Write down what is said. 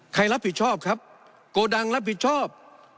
ใครรับผิดชอบครับโกดังรับผิดชอบ